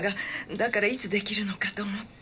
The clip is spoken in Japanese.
だからいつ出来るのかと思って。